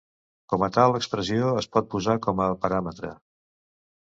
Com a tal expressió es pot posar com a paràmetre.